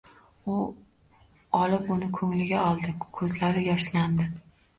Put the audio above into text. U olib uni ko'liga oldi, ko'zlari yoshlandi.